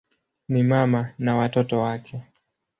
Ni mama na watoto wake.